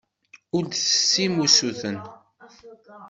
Ur d-tessim usuten.